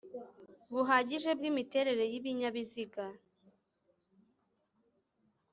buhagije bw imiterere y ibinyabiziga